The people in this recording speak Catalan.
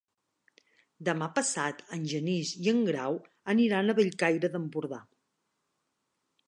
Demà passat en Genís i en Grau aniran a Bellcaire d'Empordà.